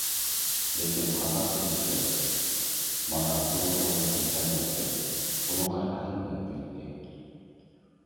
لېكىن قانداق ئېلىش كېرەك؟ مانا بۇنى ئويلاپ يېتەلمەيتتىم، بۇنىڭغا ئەقلىم يەتمەيتتى.